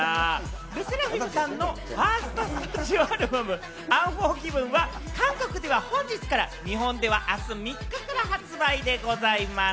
ＬＥＳＳＥＲＡＦＩＭさんのファーストスタジオアルバム『ＵＮＦＯＲＧＩＶＥＮ』は、韓国では本日から、日本では明日３日から発売でございます！